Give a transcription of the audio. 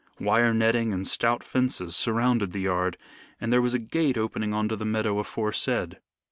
Wire netting and stout fences surrounded the yard, and there was a gate opening on to the meadow aforesaid.